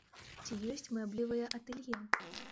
Ці ёсць мэблевыя атэлье?